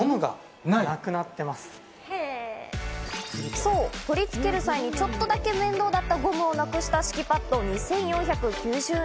そう、取り付ける際にちょっとだけ面倒だったゴムをなくした敷きパッド２４９０円。